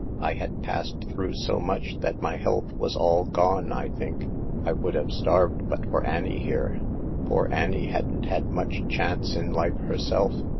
I had passed through so much that my health was all gone, I think. I would have starved but for Annie, here. Poor Annie hasn't had much chance in life herself.